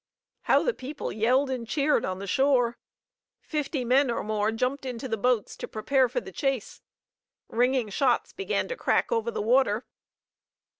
How the people yelled and cheered on the shore! Fifty men or more jumped into the boats to prepare for the chase. Ringing shots began to crack over the water.